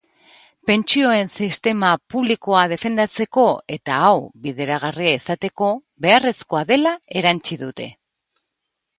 Pentsioen sistema publikoa defendatzeko, eta hau bideragarri izateko beharrezkoa dela erantsi dute.